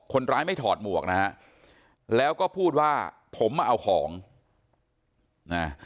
คนร้ายไม่ถอดหมวกนะฮะแล้วก็พูดว่าผมมาเอาของนะ